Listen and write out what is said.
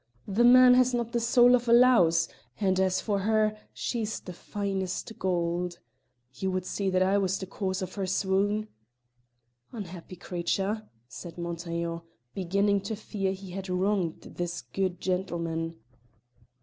The man has not the soul of a louse, and as for her, she's the finest gold! You would see that I was the cause of her swoon?" "Unhappy creature!" said Montaiglon, beginning to fear he had wronged this good gentleman.